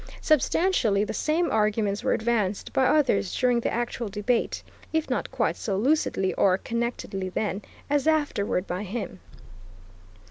Substantially the same arguments were advanced by others during the actual debate, if not quite so lucidly or connectedly then, as afterward by him.